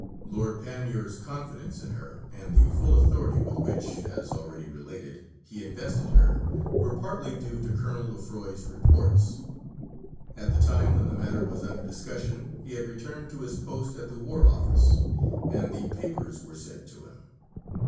Lord Panmure's confidence in her, and the full authority with which, as already related (p. 292), he invested her, were partly due to Colonel Lefroy's reports. At the time when the matter was under discussion, he had returned to his post at the War Office, and the papers were sent to him.